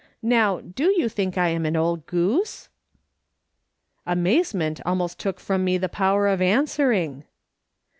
Now, do you think I'm an old goose ?" Amazement almost took from nic the j^ower of answering.